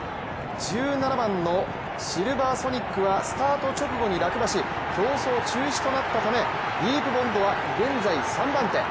１７番のシルヴァーソニックはスタート直後に落馬し競走中止となったためディープボンドは現在、３番手。